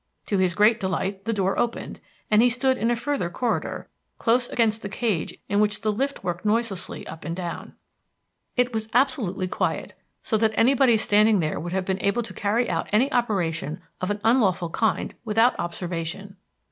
To his great delight the door opened, and he stood in a further corridor, close against the cage in which the lift worked noiselessly up and down. It was absolutely quiet, so that anybody standing there would have been able to carry out any operation of an unlawful kind without observation.